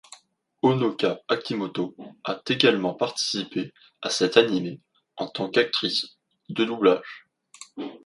Honoka Akimoto a également participé à cet anime en tant qu'actrice de doublage.